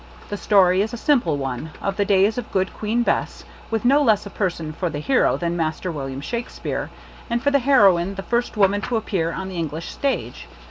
The story is a simple one, of the days of Good Queen Bess, with no less a person for the hero than Master Will. Shakespere; and for the heroine, the first woman to appear on the Eng lish stage.